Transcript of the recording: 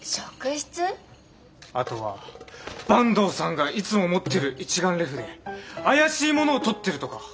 あとは坂東さんがいつも持ってる一眼レフで怪しいものを撮ってるとか。